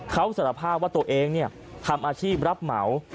เขาสารภาพว่าตัวเองทำอาชีพรับเหมา